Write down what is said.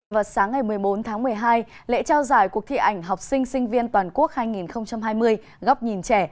vào sáng ngày một mươi bốn tháng một mươi hai lễ trao giải cuộc thi ảnh học sinh sinh viên toàn quốc hai nghìn hai mươi góc nhìn trẻ